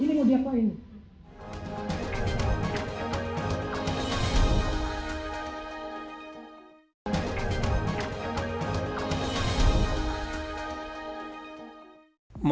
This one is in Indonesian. kepala pengusaha kepala pengusaha